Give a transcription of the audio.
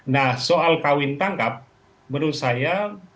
nah soal kawin tangkap menurut saya